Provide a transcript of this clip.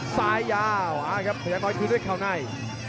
ซ้ายยาวครับแต่ยังน้อยคืนด้วยข้าวใน